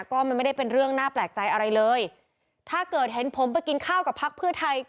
ก็มันไม่ได้เป็นเรื่องน่าแปลกใจอะไรเลยถ้าเกิดเห็นผมไปกินข้าวกับพักเพื่อไทย